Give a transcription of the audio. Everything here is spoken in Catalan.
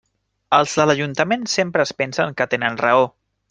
Els de l'ajuntament sempre es pensen que tenen raó.